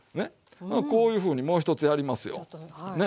こういうふうにもう一つやりますよね。